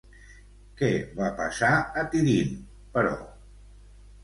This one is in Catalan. Què va passar a Tirint, però?